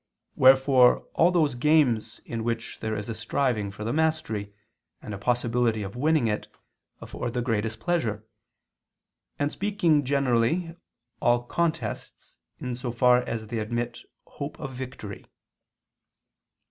Wherefore all those games in which there is a striving for the mastery, and a possibility of winning it, afford the greatest pleasure: and speaking generally all contests, in so far as they admit hope of victory.